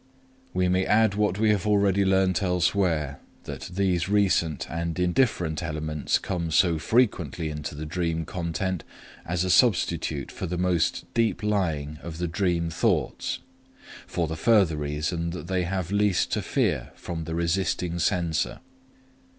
We may add what we have already learned elsewhere, that these recent and indifferent elements come so frequently into the dream content as a substitute for the most deep lying of the dream thoughts, for the further reason that they have least to fear from the resisting censor.